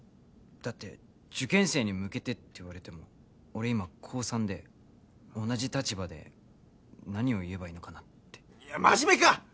だって受験生に向けてって言われても俺今高３で同じ立場で何を言えばいいのかなっていや真面目か！